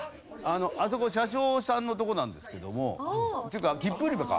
あそこ車掌さんのとこなんですけどもっていうか切符売り場か。